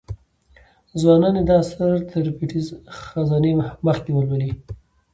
ځوانان دي دا اثر تر پټې خزانې مخکې ولولي.